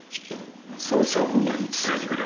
捜査本部に伝えてくれ。